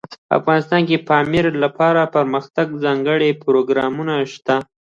افغانستان کې د پامیر لپاره دپرمختیا ځانګړي پروګرامونه شته.